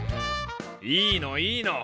いいのいいの。